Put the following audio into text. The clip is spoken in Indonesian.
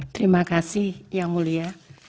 terima kasih yang mulia